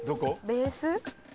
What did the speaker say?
ベース？